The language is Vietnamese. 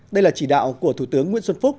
đây là chỉ đạo của thủ tướng nguyễn xuân phúc